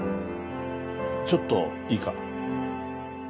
ちょっといいか？